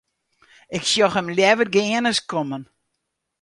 Ik sjoch him leaver gean as kommen.